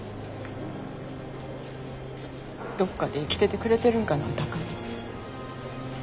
どっかで生きててくれてるんかな巧海。